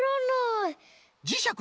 じしゃく